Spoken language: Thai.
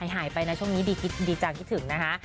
หายไปนะช่วงนี้ดีจังคิดถึงนะคะ